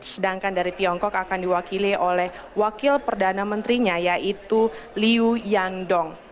sedangkan dari tiongkok akan diwakili oleh wakil perdana menterinya yaitu liu yandong